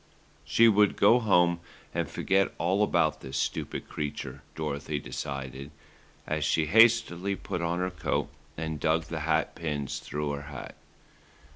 She would go home and forget all about the stupid creature, Dorothy decided, as she hastily put on her coat and dug the hat pins through her hat.